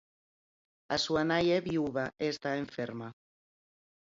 A súa nai é viúva e está enferma.